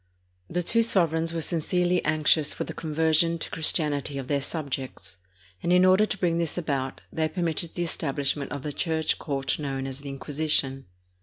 The two sovereigns were sincerely anxious for the conversion to Christianity of their subjects, and in order to bring this about, they permitted the establishment of the church court known as the Inquisition.